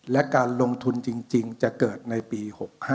และการลงทุนจริงจะเกิดในปี๖๕